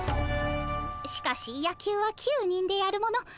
しかし野球は９人でやるもの。